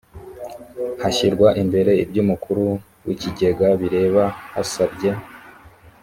hashyirwa imbere iby’umukuru w’ikigega bireba yasabye